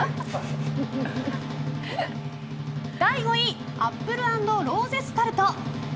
５位、アップル＆ローゼスタルト。